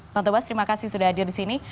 taufik bas terima kasih sudah hadir di sini